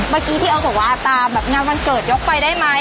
เมื่อกี้ที่เอาสิว่าตามงานวันเกิดยกไปได้มั้ย